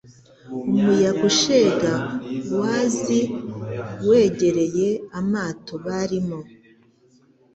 Umuyaga ushega wazi wegereye amato barimo,